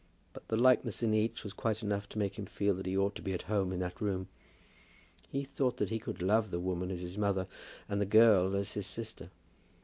But the likeness in each was quite enough to make him feel that he ought to be at home in that room. He thought that he could love the woman as his mother, and the girl as his sister.